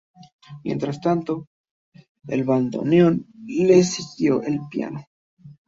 Mientras tanto, al bandoneón le siguió el piano.